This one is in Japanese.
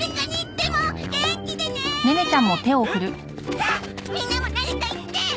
さあみんなも何か言って！